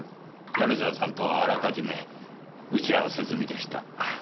米沢さんとはあらかじめ打ち合わせ済みでした。